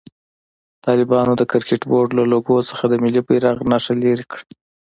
طالبانو د کرکټ بورډ له لوګو څخه د ملي بيرغ نخښه لېري کړه.